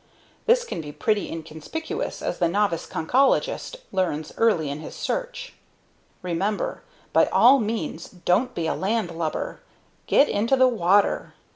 This can be pretty inconspicuous, as the novice conchologist learns early in his search. REMEMBER by all means, don't be a landlubber. Get into the water.